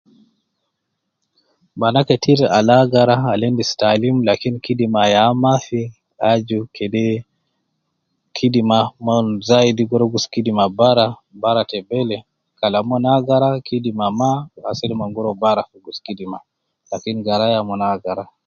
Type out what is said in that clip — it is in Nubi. Banaa ketir al agara Al endis taalim lakin kidima yaa maafi aju kede kidima mon zaidi gu ruwa Gus kidima bara, Bara ta bele Kalam mon agara maa asede kidima asede mon gu ruwa Bara fi Gus kidima lakin garaya mon agara.